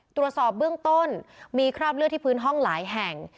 ตรวจสอบเบื้องต้นมีคราบเลือดที่พื้นห้องหลายแห่ง